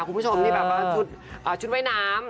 คุณผู้ชมนี่แบบว่าชุดว่ายน้ำ